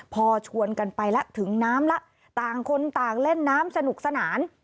พอชวนกันไปแล้วถึงน้ำแล้วต่างคนต่างเล่นน้ำสนุกสนาน